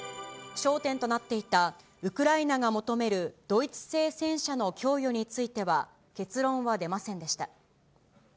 焦点となっていた、ウクライナが求めるドイツ製戦車の供与については結論は出ませんでした。